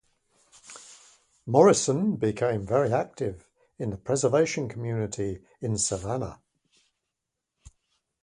Morrison became very active in the preservation community in Savannah.